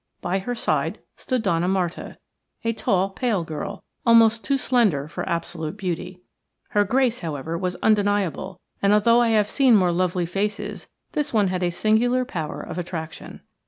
By her side stood Donna Marta, a tall, pale girl, almost too slender for absolute beauty. Her grace, however, was undeniable, and, although I have seen more lovely faces, this one had a singular power of attraction.